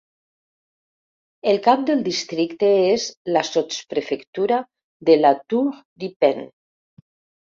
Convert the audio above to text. El cap del districte és la sotsprefectura de La Tour-du-Pin.